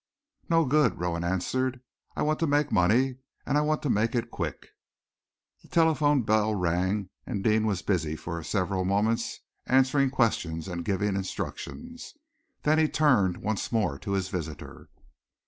"No good," Rowan answered. "I want to make money, and I want to make it quick." The telephone bell rang, and Deane was busy for several moments answering questions and giving instructions. Then he turned once more to his visitor.